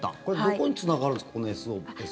これどこにつながるんですか？